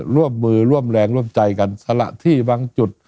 ร่วมมือร่วมแรงร่วมใจกันสละที่บางจุด